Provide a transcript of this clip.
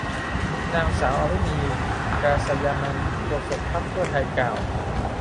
นางสาวอรุณี กาสยานนท์ โฆษกพรรคเพื่อไทย กล่าวว่า